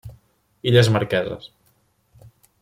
Illes Marqueses.